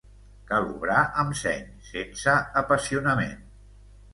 Cal obrar amb seny, sense apassionament.